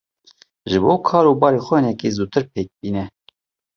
Ji bo kar û barê xwe hinekî zûtir pêk bîne.